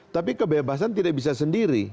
tapi kebebasan tidak bisa sendiri